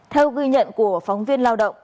theo ghi nhận của phóng viên lao động